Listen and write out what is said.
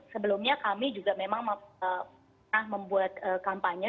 sebelumnya kami juga memang pernah membuat kampanye